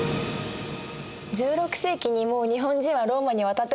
１６世紀にもう日本人はローマに渡ってたんだね。